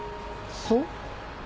そう？